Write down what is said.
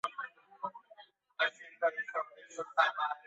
Se unió igualmente Víctor E. Vivar a nombre del Movimiento Democrático Peruano.